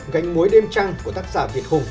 gánh mối đêm trăng của tác giả việt hùng